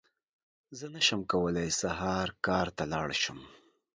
زه نشم کولی سهار کار ته لاړ شم!